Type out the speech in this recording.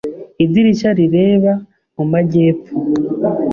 Idirishya rireba mu majyepfo.